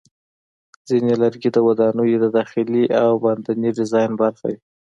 ځینې لرګي د ودانیو د داخلي او باندني ډیزاین برخه وي.